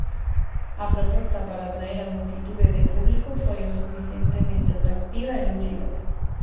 A proposta para atraer á multitude de público foi o suficientemente atractiva e lúdica.